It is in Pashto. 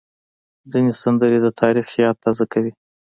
ځینې سندرې د تاریخ یاد تازه کوي.